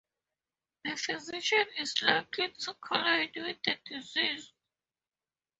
The physician is likely to collide with the disease.